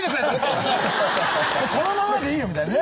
このままでいいよみたいな。